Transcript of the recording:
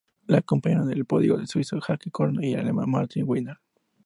Le acompañaron en el podio el suizo Jacques Cornu y el alemán Martin Wimmer.